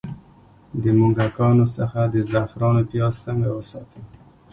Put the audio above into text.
د موږکانو څخه د زعفرانو پیاز څنګه وساتم؟